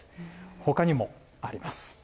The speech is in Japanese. ほかにもあります。